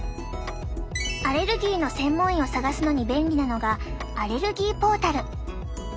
アレルギーの専門医を探すのに便利なのがアレルギーポータル。